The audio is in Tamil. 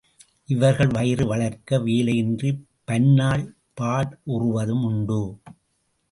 இவர்கள் வயிறு வளர்க்க வேலையின்றிப் பன்னாள் பாடுறுவதும் உண்டு.